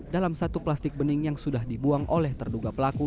dalam satu plastik bening yang sudah dibuang oleh terduga pelaku